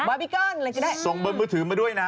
บาร์บีเกิ้ลอะไรก็ได้ส่งบนมือถือมาด้วยนะ